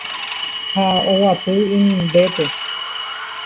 ha oguapy inimbépe.